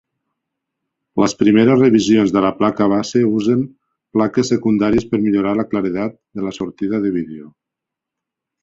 Les primeres revisions de la placa base usen plaques secundaries per millorar la claredat de la sortida de vídeo.